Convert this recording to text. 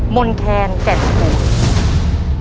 มนแคนแก่นคูณ